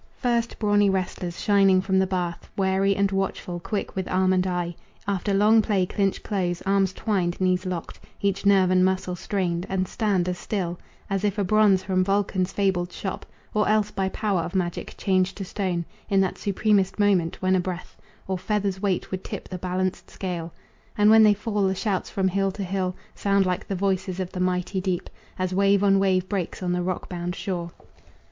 First brawny wrestlers, shining from the bath, Wary and watchful, quick with arm and eye, After long play clinch close, arms twined, knees locked, Each nerve and muscle strained, and stand as still As if a bronze from Vulcan's fabled shop, Or else by power of magic changed to stone In that supremest moment, when a breath Or feather's weight would tip the balanced scale; And when they fall the shouts from hill to hill Sound like the voices of the mighty deep, As wave on wave breaks on the rock bound shore.